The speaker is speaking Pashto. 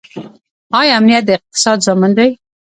آیا امنیت د اقتصاد ضامن دی؟